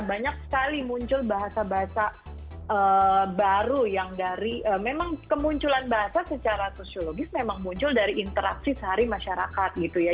banyak sekali muncul bahasa bahasa baru yang dari memang kemunculan bahasa secara sosiologis memang muncul dari interaksi sehari masyarakat gitu ya